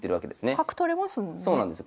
角取れますもんね。